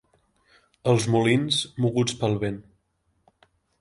Els molins moguts pel vent.